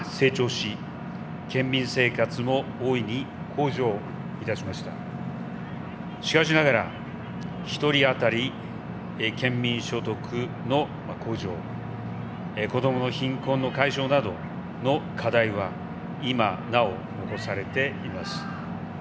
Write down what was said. しかしながら一人当たり県民所得の向上子どもの貧困の解消などの課題は今なお残されています。